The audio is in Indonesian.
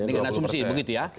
ini karena sumersi begitu ya